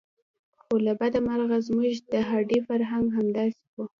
خو له بده مرغه زموږ د هډې فرهنګ همداسې و.